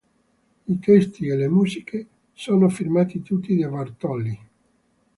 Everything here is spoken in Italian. I testi e le musiche sono firmati tutti da Bertoli.